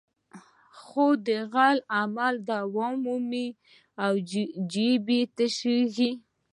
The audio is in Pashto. خو د غلا عمل دوام مومي او جېب یې تشېږي.